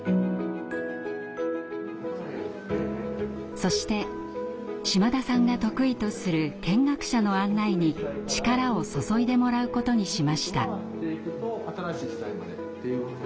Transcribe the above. そして島田さんが得意とする見学者の案内に力を注いでもらうことにしました。